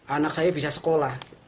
anak saya bisa sekolah